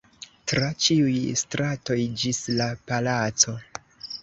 tra ĉiuj stratoj ĝis la palaco.